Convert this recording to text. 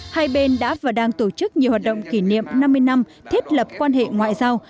hai bên đã và đang tổ chức nhiều hoạt động kỷ niệm năm mươi năm thiết lập quan hệ ngoại giao